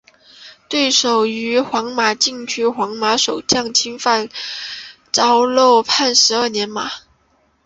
对手于皇马禁区皇马守将侵犯遭漏判十二码。